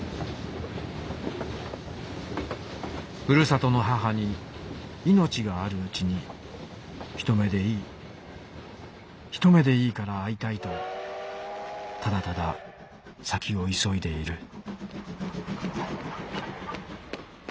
「ふるさとの母にいのちがあるうちに一目でいい一目でいいから会いたいとただただ先をいそいでいる」。